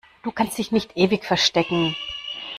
Du kannst dich nicht ewig verstecken!